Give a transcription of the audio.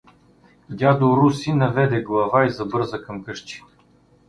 Дядо Руси наведе глава и забърза към къщи.